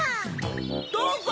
どうぞ！